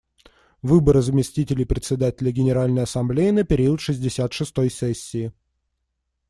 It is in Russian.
Выборы заместителей Председателя Генеральной Ассамблеи на период шестьдесят шестой сессии.